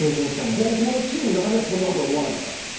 高校のチームではそんなこと思わなかった。